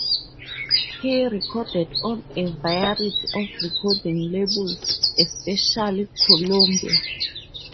He recorded on a variety of recording labels, especially Columbia.